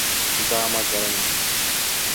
nzahamagara nyuma